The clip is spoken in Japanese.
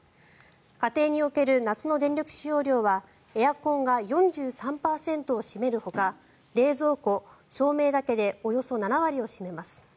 家庭における夏の電力使用量はエアコンが４３％を占めるほか冷蔵庫、照明だけでおよそ７割を占めます。